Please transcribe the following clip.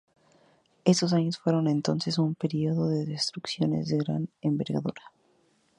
Estos años fueron entonces un periodo de destrucciones de gran envergadura.